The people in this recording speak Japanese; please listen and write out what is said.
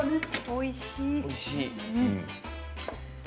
おいしい。